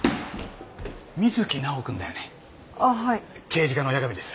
刑事課の矢上です。